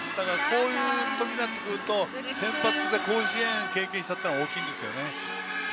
こういう時になってくるとセンバツで甲子園を経験したら大きいんですね。